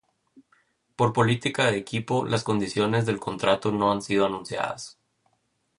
Por política de equipo, las condiciones del contrato no han sido anunciadas.